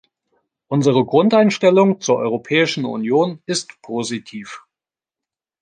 Unsere Grundeinstellung zur Europäischen Union ist positiv.